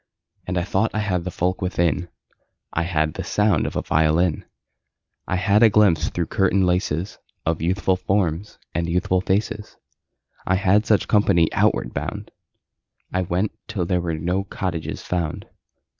And I thought I had the folk within: I had the sound of a violin; I had a glimpse through curtain laces Of youthful forms and youthful faces. I had such company outward bound. I went till there were no cottages found.